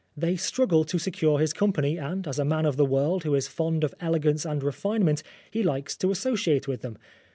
They struggle to secure his company, and, as a man of the world who is fond of elegance and refinement, he likes to associate with them.